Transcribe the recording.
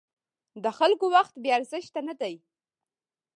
د خلکو وخت بې ارزښته نه دی.